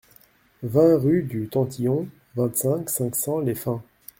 vingt rue du Tantillon, vingt-cinq, cinq cents, Les Fins